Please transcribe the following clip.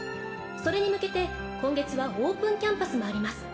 それに向けて今月はオープンキャンパスもあります。